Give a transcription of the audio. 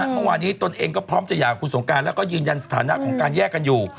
เมื่อวานนี้ตนเองก็พร้อมจะหย่ากับคุณสงการแล้วก็ยืนยันสถานะของการแยกกันอยู่